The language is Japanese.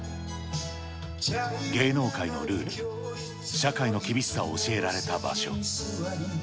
芸能界のルール、社会の厳しさを教えられた場所。